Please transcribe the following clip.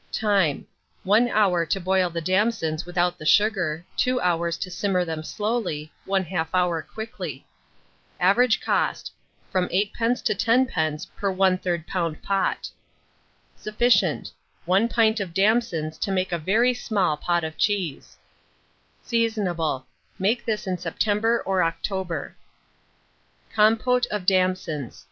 Time. 1 hour to boil the damsons without the sugar; 2 hours to simmer them slowly, 1/2 hour quickly. Average cost, from 8d. to 10d. per 1/3 lb. pot. Sufficient. 1 pint of damsons to make a very small pot of cheese. Seasonable. Make this in September or October. COMPOTE OF DAMSONS.